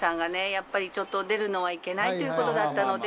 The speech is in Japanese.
やっぱりちょっと出るのはいけないという事だったので。